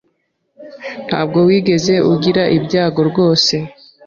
Ntabwo wigeze ugira ibyago rwose.